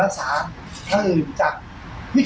แต่จะพบเป็นเชื้อมะเร็ง